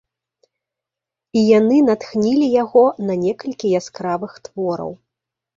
І яны натхнілі яго на некалькі яскравых твораў.